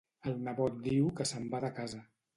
El nebot diu que se'n va de casa.